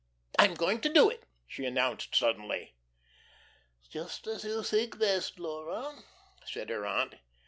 I'm going to do it," she announced suddenly. "Just as you think best, Laura," said her aunt.